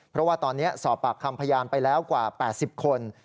เพราะว่าตอนนี้สอบปากคำพยานไปแล้วกว่า๘๐คน